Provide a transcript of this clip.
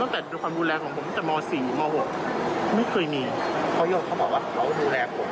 แสดงว่าพอนั้นน้องเมื่ออายุ๑๒